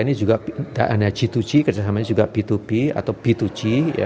ini juga tidak hanya g dua g kerjasamanya juga b dua b atau b dua g